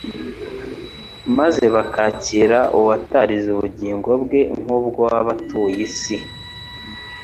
maze bakakira uwatarize ubugingo bwe kubw'abatuye isi.